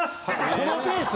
このペース！？